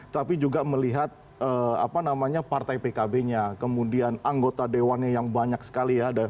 tapi juga melihat partai pkb nya kemudian anggota dewannya yang banyak sekali ya